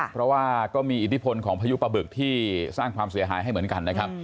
เพราะว่าก็มีอิทธิพลของพายุปะบึกที่สร้างความเสียหายให้เหมือนกันนะครับ